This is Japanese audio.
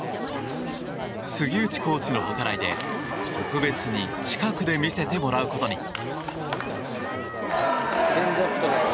杉内コーチの計らいで特別に近くで見せてもらうことに。